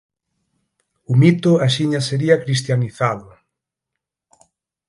O mito axiña sería cristianizado.